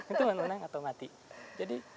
itu menang atau mati